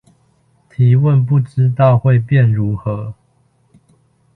提問不知道會變如何